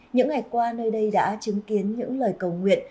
những ngày qua nơi đây đã chứng kiến những lời cầu nguyện